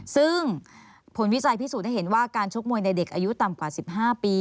ซึ่งผลวิจัยพิสูจนให้เห็นว่าการชกมวยในเด็กอายุต่ำกว่า๑๕ปี